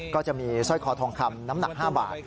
ก็จะมีสร้อยคอทองคำน้ำหนัก๕บาท